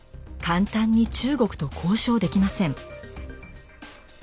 簡単に中国と交渉できません。